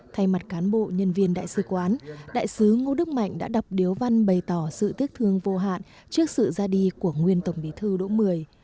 thay mặt cán bộ nhân viên đại sứ quán đại sứ ngô đức mạnh đã đọc điếu văn bày tỏ sự tiếc thương vô hạn trước sự ra đi của nguyên tổng bí thư đỗ mười